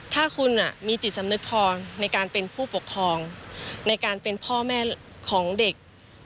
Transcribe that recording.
ถ้าคุณมีจิตสำนึกพอในการเป็นผู้ปกครองในการเป็นพ่อแม่ของเด็ก